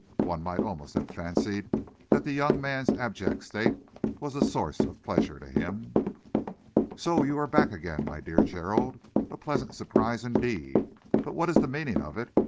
One might almost have fancied that the young man's abject state was a source of pleasure to him. "So you are back again, my dear Gerald. A pleasant surprise, indeed, but what is the meaning of it?